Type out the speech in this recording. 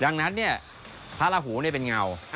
ดังนั้นเนี่ยพระราหูเป็นเงา